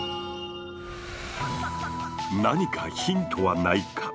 何かヒントはないか？